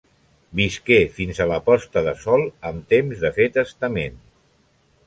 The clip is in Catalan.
Visqué fins a la posta de sol amb temps de fer testament.